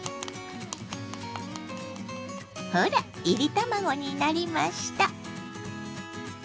ほらいり卵になりました。